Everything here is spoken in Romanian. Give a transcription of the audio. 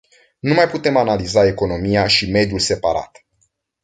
Nu mai putem analiza economia și mediul separat.